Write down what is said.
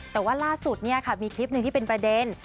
แต่ว่าล่าสุดเนี่ยค่ะมีคลิปหนึ่งที่เป็นประเด็น